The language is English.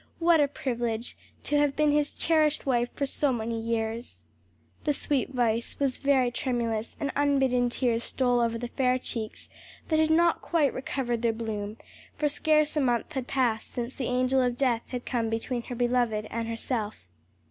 What a privilege to have been his cherished wife for so many years!" The sweet voice was very tremulous, and unbidden tears stole over the fair cheeks that had not quite recovered their bloom; for scarce a month had passed since the angel of death had come between her beloved and herself.